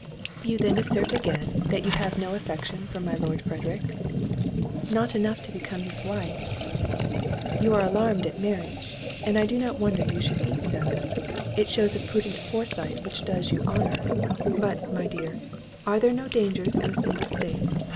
"You then assert again, that you have no affection for my Lord Frederick?" "Not enough to become his wife." "You are alarmed at marriage, and I do not wonder you should be so; it shews a prudent foresight which does you honour—but, my dear, are there no dangers in a single state?